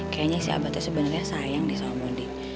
kayanya si abah itu sebenernya sayang nih sama om mondi